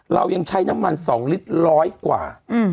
เรายังใช้น้ำมัน๒ลิตรร้อยกว่า